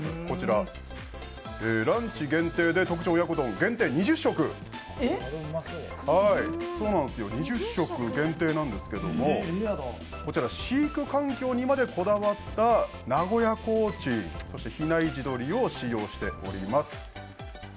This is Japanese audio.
こちらランチ限定で特上親子丼限定２０食なんですけれどもこちら飼育環境にまでこだわった名古屋コーチン、そして比内地鶏を使用しております。